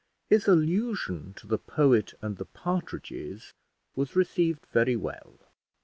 His allusion to the poet and the partridges was received very well.